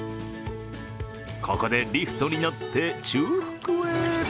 ここでリフトに乗って中腹へ。